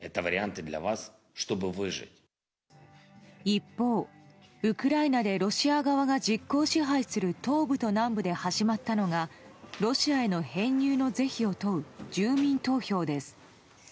一方、ウクライナでロシア側が実効支配する東部と南部で始まったのがロシアへの編入の是非を問う住民投票です。